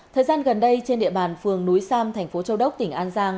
thời gian gần đây trên địa bàn phường núi sam thành phố châu đốc tỉnh an giang